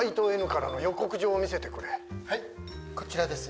はい、こちらです。